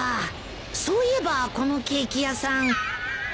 そういえばこのケーキ屋さん。